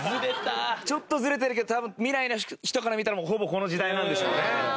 ちょっとズレてるけど多分未来の人から見たらほぼこの時代なんでしょうね。